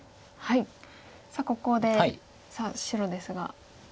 さあここで白ですが。